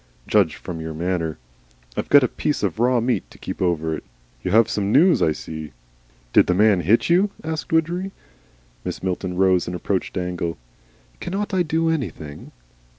Judged from your manner. I've got a piece of raw meat to keep over it. You have some news, I see?" "Did the man hit you?" asked Widgery. Mrs. Milton rose and approached Dangle. "Cannot I do anything?"